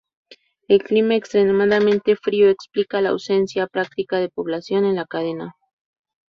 El clima extremadamente frío explica la ausencia práctica de población en la cadena.